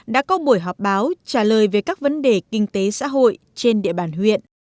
đã có buổi họp báo trả lời về các vấn đề kinh tế xã hội trên địa bàn huyện